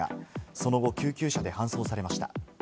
その後、救急車で搬送されました。